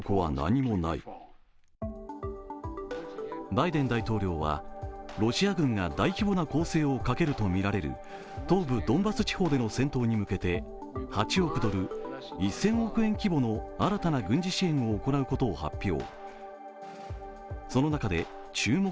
バイデン大統領はロシア軍が大規模な攻勢をかけるとみられる東部ドンバス地方での戦闘に向けて８億ドル＝１０００億円規模の新たな軍事支援を行うことを発表。